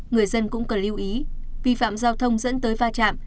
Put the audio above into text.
người dân cũng cần lưu ý vi phạm giao thông dẫn tới va chạm